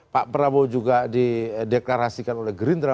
pak prabowo juga di deklarasikan oleh gerindra